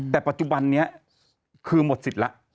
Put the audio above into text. แต่ปัจจุบันนี้คือหมดสิทธิ์แล้ว